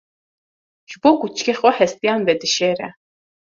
Ji bo kûçikê xwe hestiyan vedişêre.